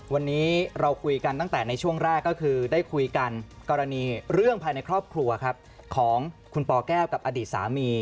วันนี้เราคุยกันตั้งแต่ในช่วงแรกก็คือได้คุยกันกรณีเรื่องภายในครอบครัวครับของคุณปแก้วกับอดีตสามี